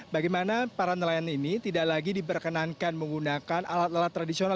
bagaimana para nelayan ini tidak lagi diperkenankan menggunakan alat alat tradisional